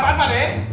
berapaan pak de